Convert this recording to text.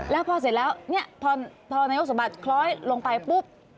แล้วพอเสร็จแล้วเนี่ยพอนายกสมบัติคล้อยลงไปปุ๊บ